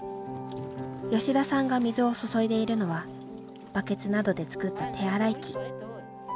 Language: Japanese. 吉田さんが水を注いでいるのはバケツなどで作った手洗い器。